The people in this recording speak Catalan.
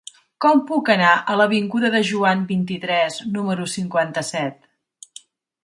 Com puc anar a l'avinguda de Joan vint-i-tres número cinquanta-set?